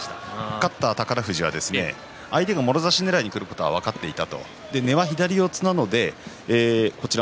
勝った宝富士は相手がもろ差しねらいにくることが分かっていた。